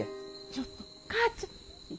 ちょっとお母ちゃん。